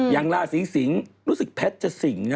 อย่างราศีสิงศ์รู้สึกแพทย์จะสิงนะ